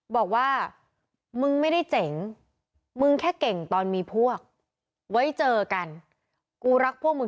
บอกว่ามึงไม่ได้เจ๋งมึงแค่เก่งตอนมีพวกไว้เจอกันกูรักพวกมึง